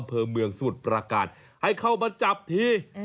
อำเภอเมืองสมุทรประการให้เข้ามาจับที